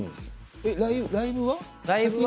ライブは？